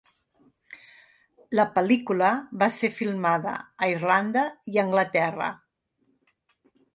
La pel·lícula va ser filmada a Irlanda i a Anglaterra.